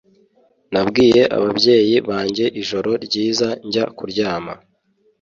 Nabwiye ababyeyi banjye ijoro ryiza njya kuryama